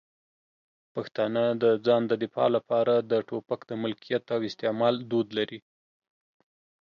پښتانه د ځان د دفاع لپاره د ټوپک د ملکیت او استعمال دود لري.